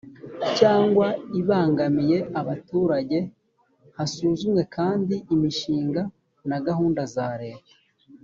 cyangwa ibangamiye abaturage hasuzumwe kandi imishinga na gahunda za leta